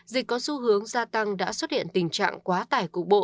dịch có xu hướng gia tăng đã xuất hiện tình trạng quá tải cục bộ